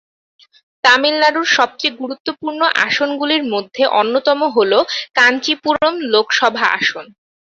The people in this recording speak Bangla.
তামিলনাড়ুর সবচেয়ে গুরুত্বপূর্ণ আসনগুলির মধ্যে অন্যতম হল কাঞ্চীপুরম লোকসভা আসন।